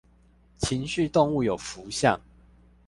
情緒動物有福相